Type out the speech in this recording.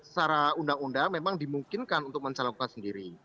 secara undang undang memang dimungkinkan untuk mencalonkan sendiri